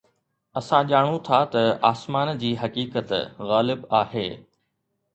اسان ڄاڻون ٿا ته آسمان جي حقيقت غالب آهي